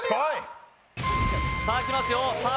さあ来ますよさあ